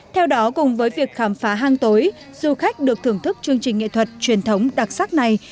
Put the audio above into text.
theo đó cùng với việc khám phá hang tối du khách được thưởng thức chương trình nghệ thuật truyền thống đặc sắc này